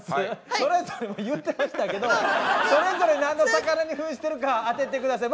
それぞれ言ってましたけどそれぞれ何の魚に扮してるか当てて下さい。